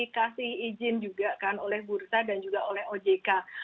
dikasih izin juga kan oleh bursa dan juga oleh ojk